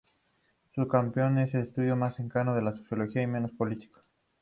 Son un campo de estudios más centrado en la sociología y menos político.